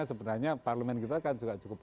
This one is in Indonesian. sebenarnya parlimen kita kan cukup